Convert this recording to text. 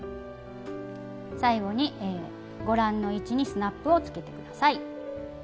最後にご覧の位置にスナップをつけてください。